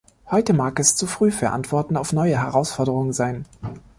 Heute mag es zu früh für Antworten auf neue Herausforderungen sein.